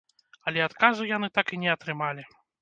Але адказу яны так і не атрымалі.